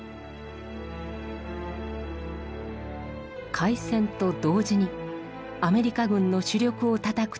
開戦と同時にアメリカ軍の主力をたたくという作戦。